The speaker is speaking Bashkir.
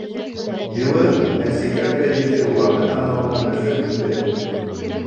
Йылы, әсе кәртә еҫе уларҙың танауына нышып инде.